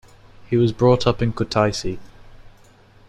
He was brought up in Kutaisi.